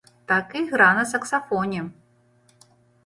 Так і ігра на саксафоне!